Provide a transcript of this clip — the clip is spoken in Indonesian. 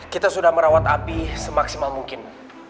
kita sudah merawat api semaksimal mungkin